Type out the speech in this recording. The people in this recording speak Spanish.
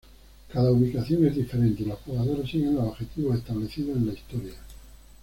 Cada ubicación es diferente y los jugadores siguen los objetivos establecidos en la historia.